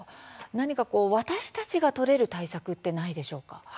何か、私たちが取れる対策ってないでしょうか。